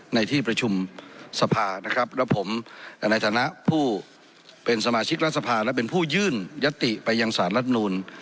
ในที่ประชุมสภานะครับแล้วผมในฐานะผู้เป็นสมาชิกรัฐสภาและเป็นผู้ยื่นยติไปยังสารรัฐมนูล